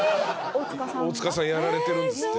大塚さんやられてるんですって。